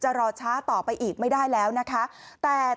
รอช้าต่อไปอีกไม่ได้แล้วนะคะ